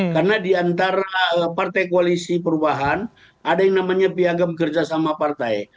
karena diantara partai koalisi perubahan ada yang namanya piagam kerjasama partai